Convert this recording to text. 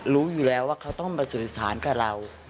รู้อยู่แล้วว่าเขาต้องมาสื่อสารกับเรา